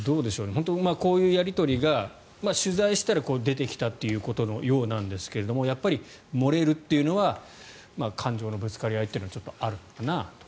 本当にこういうやり取りが取材したら出てきたということのようなんですが漏れるというのは感情のぶつかり合いというのはちょっとあるのかなと。